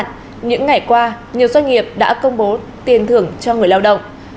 những ngày qua nhiều doanh nghiệp đã công bố tiền thưởng cho người lao động